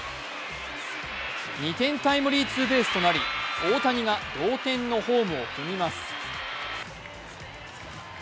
２点タイムリーツーベースとなり大谷が同点のホームを踏みます。